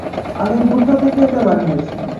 আমি ভুট্টা থেকে এটা বানিয়েছি।